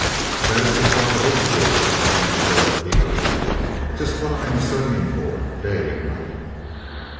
"That is just what I hope to do!" exclaimed Darrell eagerly; "just what I am studying for day and night!"